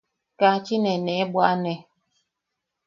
–Kaachin e nee bwaʼane.